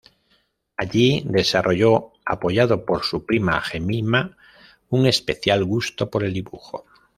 Allí desarrolló, apoyado por su prima Jemima, un especial gusto por el dibujo.